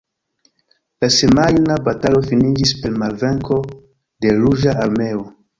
La semajna batalo finiĝis per malvenko de Ruĝa Armeo.